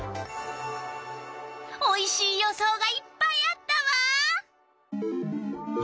おいしい予想がいっぱいあったわ！